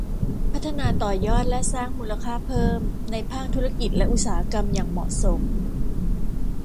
พัฒนาต่อยอดและสร้างมูลค่าเพิ่มในภาคธุรกิจและอุตสาหกรรมอย่างเหมาะสม